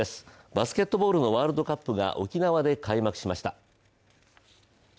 バスケットボールのワールドカップが沖縄で開幕しました。